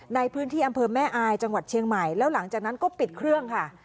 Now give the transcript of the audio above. ในพื้นที่อำเภอแม่อายจังหวัดเชียงใหม่แล้วหลังจากนั้นก็ปิดเครื่องค่ะ